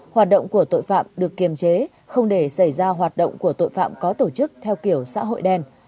hoạt động của tội phạm được kiềm chế không để xảy ra hoạt động của tội phạm có tổ chức theo kiểu xã hội đen